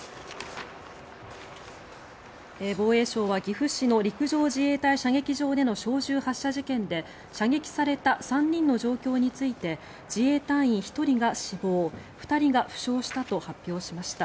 防衛省は岐阜市の陸上自衛隊射撃場での小銃発射事件で射撃された３人の状況について自衛隊員１人が死亡２人が負傷したと発表しました。